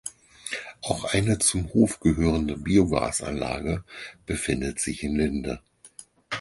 Auch eine zum Hof gehörende Biogasanlage befindet sich in Linde.